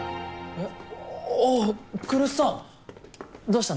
えっ？